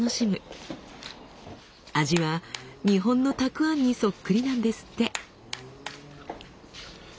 味は日本のたくあんにそっくりなんですって。